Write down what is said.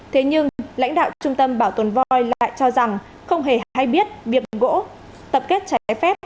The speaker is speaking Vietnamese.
thế nhưng lãnh đạo trung tâm bảo tồn voi lại cho rằng không hề hay biết việc gỗ tập kết trái phép